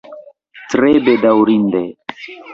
Tre bedaŭrinde.